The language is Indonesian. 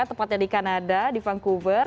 tepatnya di kanada di vancouver